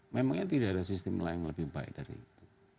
memangnya tidak ada sistem lain yang lebih baik dari itu